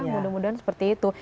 mudah mudahan seperti itu